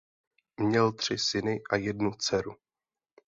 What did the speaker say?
Měl tři syny a jednu dceru.